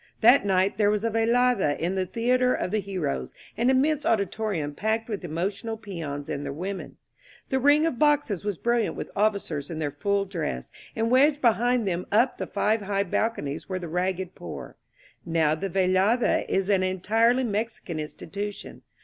That night there was a velada in the Theater of the Heroes, an immense auditorium packed with emotional peons and their women. The ring of boxes was bril liant with officers in their full dress, and wedged behind them up the five high balconies were the ragged poor. Now, the velada is an entirely Mexican institution.